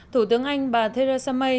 thủ tướng anh bà theresa may